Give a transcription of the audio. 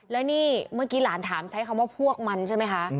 แล้วนี่เมื่อกี้หลานถามใช้คำว่าพวกมันใช่ไหมคะ